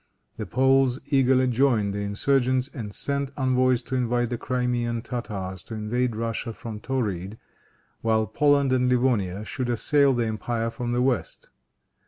The Poles eagerly joined the insurgents, and sent envoys to invite the Crimean Tartars to invade Russia from Tauride, while Poland and Livonia should assail the empire from the west.